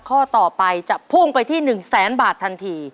ข้อต่อไปจะพุ่งไปที่๑แสนบาททันที